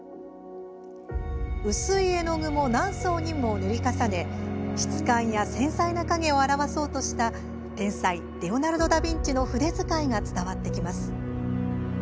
薄い絵の具を何層にも塗り重ね質感や繊細な影を表そうとした天才レオナルド・ダ・ヴィンチの筆使いが伝わってきます。